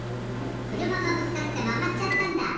くるまがぶつかってまがっちゃったんだ！